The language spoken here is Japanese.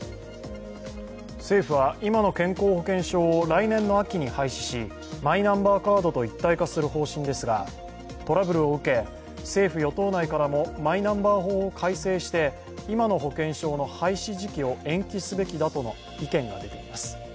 政府は今の健康保険証を来年の秋に廃止しマイナンバーカードと一体化する方針ですが、トラブルを受け、政府・与党内からもマイナンバー法を改正して今の保険証の廃止時期を延期すべきだとの意見が出ています。